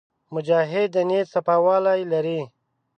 مجاهد د نیت صفاوالی لري.